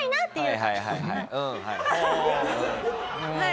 はいはいはいはい。